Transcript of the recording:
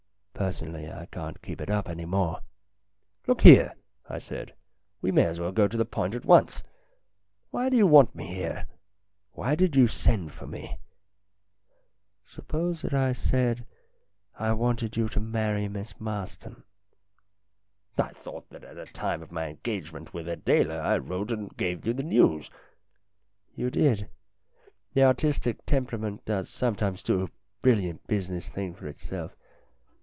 Personally I can't keep it up any more." " Look here," I said. " We may as well go to the point at once. Why do you want me here ? Why did you send for me ?"" Suppose I said that I wanted you to marry Miss Marston?" " I thought that at the time of my engage ment with Adela I wrote and gave you the news." "You did. The artistic temperament does sometimes do a brilliant business thing for itself.